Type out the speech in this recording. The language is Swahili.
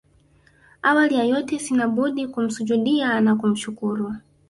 Awali ya yote sina budi kumsujudiya na kumshukuru